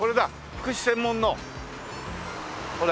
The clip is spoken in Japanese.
福祉専門のこれ。